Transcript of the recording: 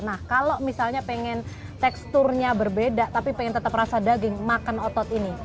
nah kalau misalnya pengen teksturnya berbeda tapi pengen tetap rasa daging makan otot ini